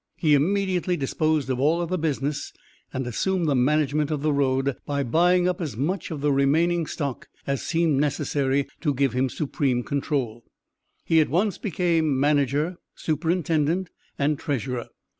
He immediately disposed of all other business, and assumed the management of the road by buying up as much of the remaining stock as seemed necessary to give him supreme control. He at once became Manager, Superintendent and Treasurer.